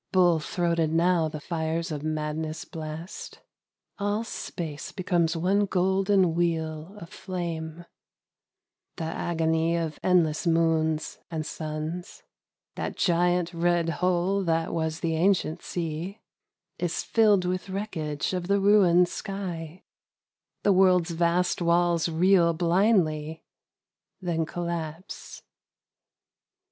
Bull throated now the fires of madness blast. All space becomes one golden wheel of flame — The agony of endless moons and suns ; That giant red hole that was the ancient sea Is fill'd with wreckage of the ruined sky, — The world's vast walls reel blindly, — then collapse.